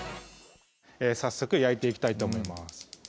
早速焼いていきたいと思います